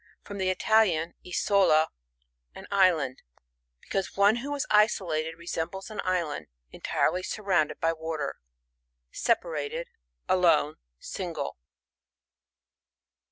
'(Fro(n the Itulian, isola^ an idland ; becanee one who is isolated^ lesembles an island en tirely surrounded by water.) Sepa rated, alone, single.